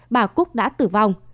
bà cúc đã tử vong